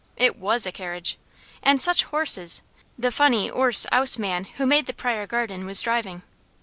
It WAS a carriage. And such horses! The funny "'orse, 'ouse" man who made the Pryor garden was driving.